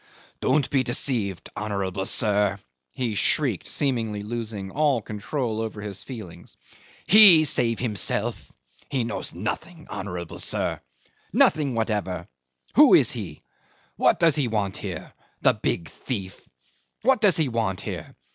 "Don't be deceived, honourable sir!" he shrieked, seemingly losing all control over his feelings. "He save himself! He knows nothing, honourable sir nothing whatever. Who is he? What does he want here the big thief? What does he want here?